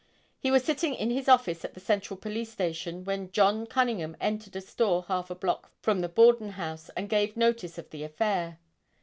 He was sitting in his office at the Central police station when John Cunningham entered a store half a block from the Borden house and gave notice of the affair.